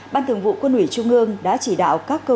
ban thường vụ quân ủy trung ương đã chỉ đạo các cơ sở